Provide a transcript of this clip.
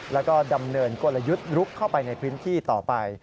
แล้วก็ดำเนินกลยุทธ์ลุกเข้าไปในพื้นที่ต่อไป